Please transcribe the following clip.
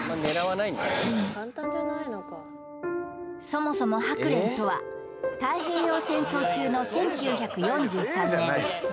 そもそもハクレンとは太平洋戦争中の１９４３年